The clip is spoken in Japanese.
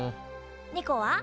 ニコは？